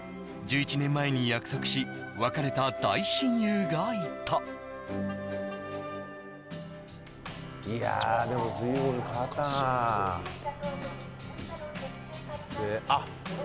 １１年前に約束し別れた大親友がいたいやでも随分変わったなあっ